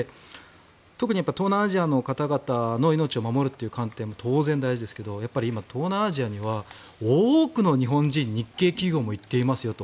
特に東南アジアの方の命を守るという観点も当然、大事ですが今、東南アジアには多くの日本人、日系企業も行っていますよと。